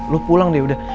lo pulang deh udah